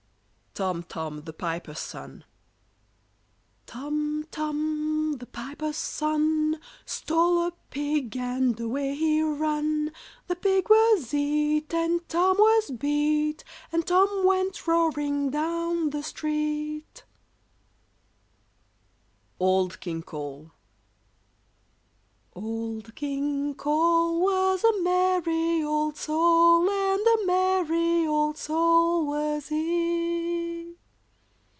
[Illustration: TOM, TOM, THE PIPER'S SON.] Tom, Tom, the piper's son, Stole a pig and away he run! The pig was eat, and Tom was beat, And Tom went roaring down the street. [Illustration: OLD KING COLE.] Old King Cole Was a merry old soul, And a merry old soul was he!